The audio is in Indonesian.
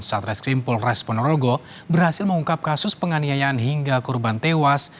satreskrim polres ponorogo berhasil mengungkap kasus penganiayaan hingga korban tewas